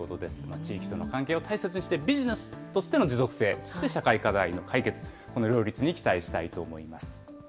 地域との関係を大切にしてビジネスとしての持続性、社会課題の解決、この両立に期待したいと思います。